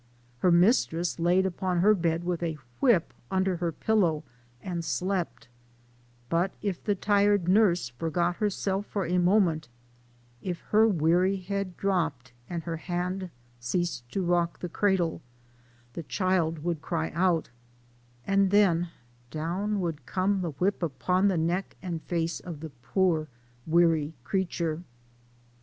Her mistress O laid upon her bed with a whip under her pillow, and slept ; but if the tired nurse forgot herself for a moment, if her weary head dropped, and her hand ceased to rock the cradle, the child would cry out, and then down would come the whip upon the neck and face of the poor weary creature.